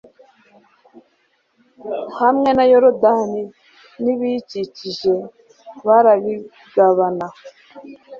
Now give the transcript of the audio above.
hamwe na yorudani n'ibiyikikije barabigabana